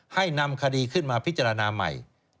ให้นำคดีขึ้นมาพิจารณาใหม่